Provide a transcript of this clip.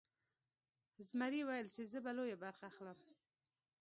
زمري ویل چې زه به لویه برخه اخلم.